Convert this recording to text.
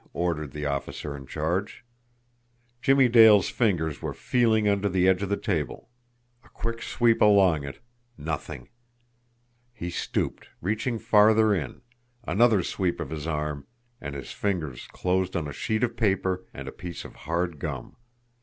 ordered the officer in charge. Jimmie Dale's fingers were feeling under the edge of the table a quick sweep along it NOTHING! He stooped, reaching farther in another sweep of his arm and his fingers closed on a sheet of paper and a piece of hard gum.